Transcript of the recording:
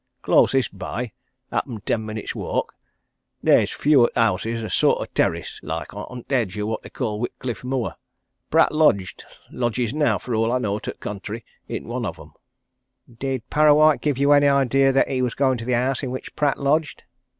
"Closish by happen ten minutes' walk. There's few o' houses a sort o' terrace, like, on t' edge o' what they call Whitcliffe Moor. Pratt lodged lodges now for all I know to t' contrary i' one o' them." "Did Parrawhite give you any idea that he was going to the house in which Pratt lodged?"